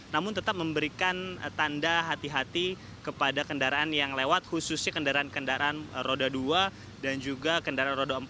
namun tetap memberikan tanda hati hati kepada kendaraan yang lewat khususnya kendaraan kendaraan roda dua dan juga kendaraan roda empat